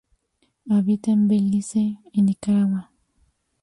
Habita en Belice y Nicaragua.